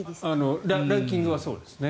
ランキングはそうですね。